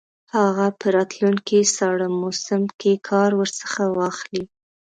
هغه په راتلونکي ساړه موسم کې کار ورڅخه واخلي.